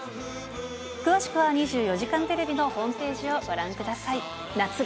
詳しくは２４時間テレビのホームページをご覧ください。